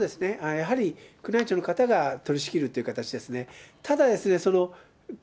やはり宮内庁の方が取り仕切るという形ですね。